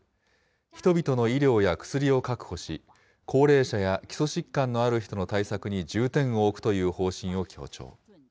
人々の医療や薬を確保し、高齢者や基礎疾患のある人の対策に重点を置くという方針を強調。